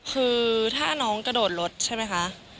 คือถ้าน้องกระโดดรถใช่ไหมคะ